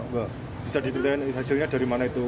bisa ditelan hasilnya dari mana itu